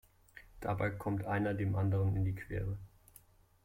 Dabei kommt einer dem anderen in die Quere.